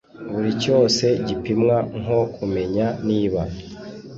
buri cyose gipimwa nko kumenya niba